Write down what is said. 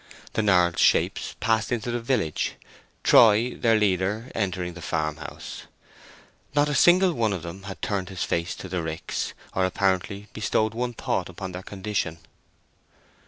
The gnarled shapes passed into the village, Troy, their leader, entering the farmhouse. Not a single one of them had turned his face to the ricks, or apparently bestowed one thought upon their condition.